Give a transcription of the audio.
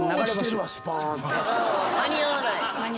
間に合わない。